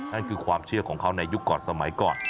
นั่นคือความเชื่อของเขาในยุคก่อนสมัยก่อน